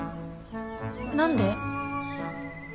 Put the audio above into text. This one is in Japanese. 何で？